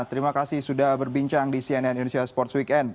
terima kasih sudah berbincang di cnn indonesia sports weekend